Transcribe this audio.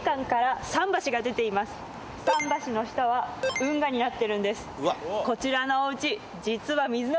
桟橋の下は運河になってるんです